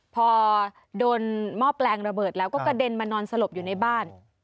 พอโดนหม้อแปลงระเบิดแล้วก็กระเด็นมานอนสลบอยู่ในบ้าน